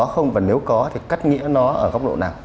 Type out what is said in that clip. nếu không và nếu có thì cách nghĩa nó ở góc độ nào